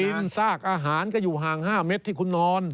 กินซากอาหารก็อยู่ห่างห้าเม็ดที่คุณนอน